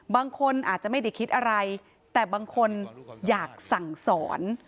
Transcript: บางคนอาจจะไม่ได้คิดอะไรแต่บางคนอยากสั่งสอน